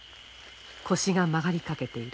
腰が曲がりかけている。